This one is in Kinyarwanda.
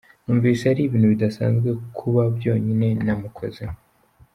Numvise ari ibintu bidasanzwe kuba byonyine namukozeho.